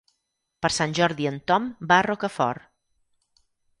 Per Sant Jordi en Tom va a Rocafort.